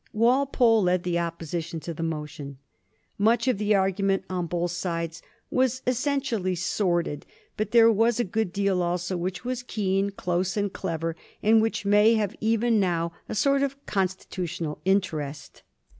Wal pole led the Opposition to the motion. Much of the argu ment on both sides was essentially sordid, but there was a good deal also which was keen, close, and clever, and which may have even now a sort of constitutional interest.